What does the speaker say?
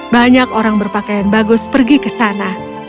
banyak orang berpakaian bagus pergi ke sana